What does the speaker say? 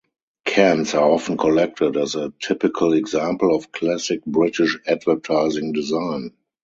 Cans are often collected as a typical example of classic British advertising design.